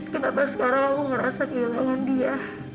kenapa sekarang aku merasa kehilangan dia